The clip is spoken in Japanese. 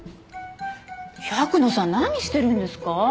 百野さん何してるんですか？